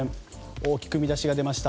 大きく見出しが出ました。